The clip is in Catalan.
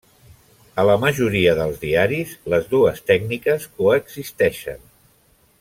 A la majoria dels diaris, les dues tècniques coexisteixen.